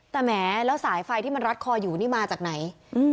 แต่แหมแล้วสายไฟที่มันรัดคออยู่นี่มาจากไหน